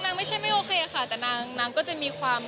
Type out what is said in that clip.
ไม่ใช่ไม่โอเคค่ะแต่นางก็จะมีความ